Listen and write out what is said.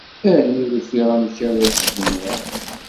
Armi ur ufiɣ amek ara k-snamreɣ.